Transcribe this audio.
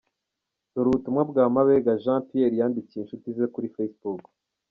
Dore ubutumwa bwa Mabenga Jean Pierre yandikiye inshuti ze kuri Facebook :.